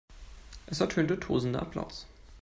Es ertönte tosender Applaus.